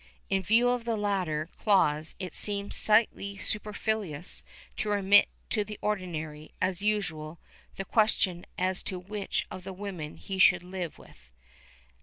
In view of the latter clause it seemed slightly superfluous to remit to the Ordinary, as usual, the question as to which of the women he should live with.